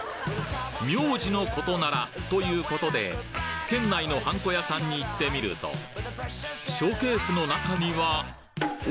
名字のことならということで県内のはんこ屋さんに行ってみるとショーケースの中にはお！